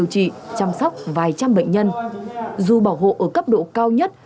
trị chăm sóc vài trăm bệnh nhân dù bảo hộ ở cấp độ cao nhất